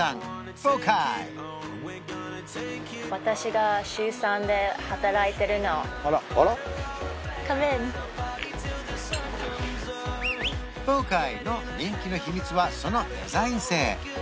フォッカイの人気の秘密はそのデザイン性